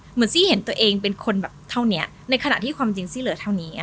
ซี่เห็นตัวเองเป็นคนแบบเท่านี้ในขณะที่ความจริงซี่เหลือเท่านี้